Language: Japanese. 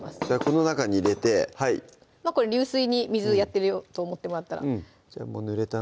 この中に入れて流水に水やってるよと思ってもらったらじゃもうぬれた